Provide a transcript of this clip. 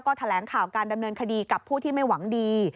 แถลงข่าวการดำเนินคดีกับผู้ที่ไม่หวังดี